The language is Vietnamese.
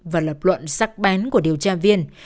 và lập luận sắc bán của điều tra viên